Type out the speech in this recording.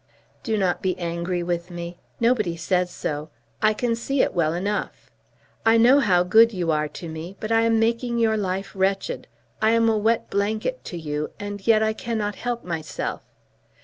"Do not be angry with me. Nobody says so. I can see it well enough. I know how good you are to me, but I am making your life wretched. I am a wet blanket to you, and yet I cannot help myself.